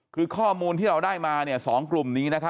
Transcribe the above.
คือข้อมูลที่เราได้มาเนี่ยสองกลุ่มนี้นะครับ